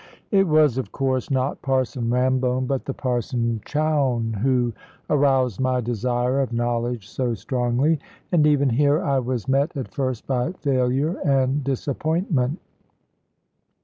It was of course not Parson Rambone but the Parson Chowne who aroused my desire of knowledge so strongly. And even here I was met at first by failure and disappointment.